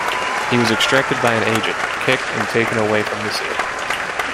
He was extracted by an agent, kicked, and taken away from the scene.